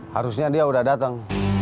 harusnya dia udah dateng